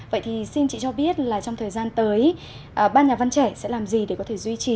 vậy thì xin chị cho biết là trong thời gian tới ban nhà văn trẻ sẽ làm gì để có thể duy trì